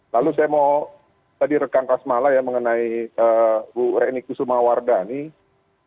lalu saya mau tadi rekan kasmala ya mengenai bu reni kusuma wardani